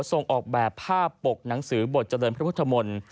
ออกแบบภาพปกหนังสือบทเจริญพระพุทธมนตร์